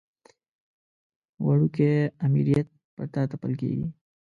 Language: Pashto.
وړوکی امریت پر تا تپل کېږي.